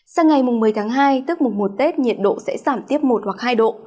sáng ngày một mươi tháng hai tức mùa một tết nhiệt độ sẽ giảm tiếp một hoặc hai độ